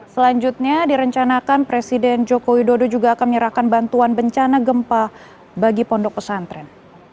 selanjutnya direncanakan presiden joko widodo juga akan menyerahkan bantuan bencana gempa bagi pondok pesantren